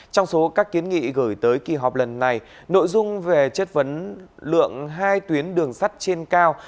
trong số các kiến nghị gửi tới kỳ họp lần này nội dung về chất vấn lượng hai tuyến đường sắt trên cao